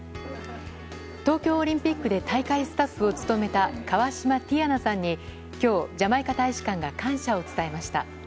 東京オリンピックで大会スタッフを務めた河島ティヤナさんに今日、ジャマイカ大使館が感謝を伝えました。